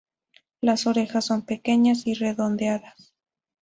Las orejas son pequeñas y redondeadas.